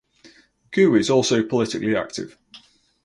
Gu is also politically active.